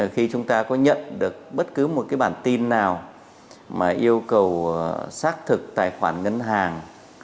khi chúng ta có nhận được bất cứ một cái bản tin nào mà yêu cầu xác thực tài khoản ngân hàng